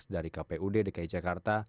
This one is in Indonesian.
dari kpud dki jakarta